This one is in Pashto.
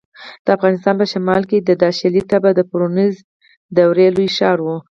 د افغانستان په شمال کې د داشلي تپه د برونزو دورې لوی ښار و